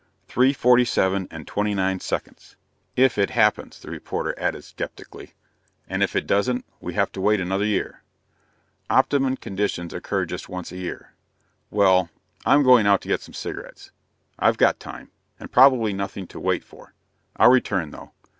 "Three forty seven and twenty nine seconds." "If it happens," the reporter added skeptically. "And if it doesn't, we have to wait another year." "Optimum conditions occur just once a year." "Well, I'm going out to get some cigarettes. I've got time ... and probably nothing to wait for. I'll return though."